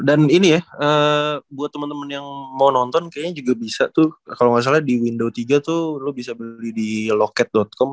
dan ini ya buat temen temen yang mau nonton kayaknya juga bisa tuh kalo gak salah di windows tiga tuh lo bisa beli di locket com